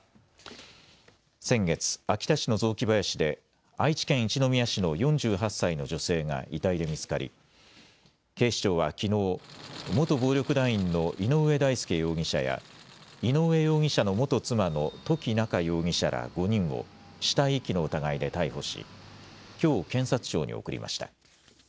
先月、秋田市の雑木林で愛知県一宮市の４８歳の女性が遺体が見つかり警視庁はきのう元暴力団員の井上大輔容疑者や井上容疑者の元妻の土岐菜夏容疑者ら５人を死体遺棄の疑いで逮捕しきょう検察庁に送りました。